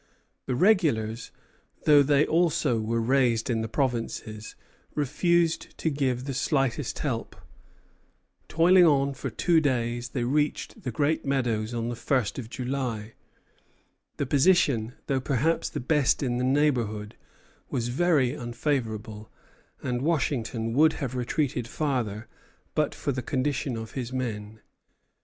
The regulars, though they also were raised in the provinces, refused to give the slightest help. Toiling on for two days, they reached the Great Meadows on the first of July. The position, though perhaps the best in the neighborhood, was very unfavorable, and Washington would have retreated farther, but for the condition of his men.